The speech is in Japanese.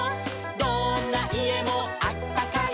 「どんないえもあったかい」